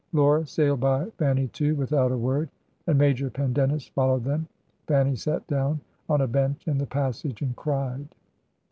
Laura sailed by Fanny, too, without a word; and Major Pendennis followed them. Fanny sat down on a bench in the passage and cried."